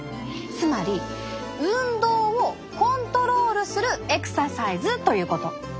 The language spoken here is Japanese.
つまり運動をコントロールするエクササイズということ！